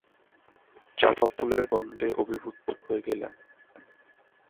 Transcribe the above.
চাঁপা ফুলের তীব্র গন্ধে অভিভূত হয়ে গেলেন।